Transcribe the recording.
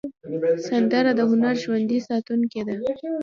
سندره د هنر ژوندي ساتونکی ده